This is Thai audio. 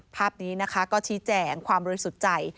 ภาพนี้นะคะก็ชี้แจ่งความรู้สุดใจ